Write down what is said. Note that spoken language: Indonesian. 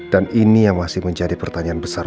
dan ini yang masih menjadi pertanyaan besar